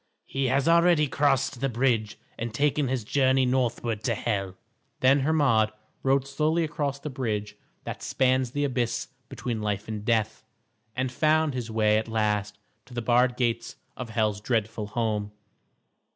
"He has already crossed the bridge and taken his journey northward to Hel." Then Hermod rode slowly across the bridge that spans the abyss between life and death, and found his way at last to the barred gates of Hel's dreadful home.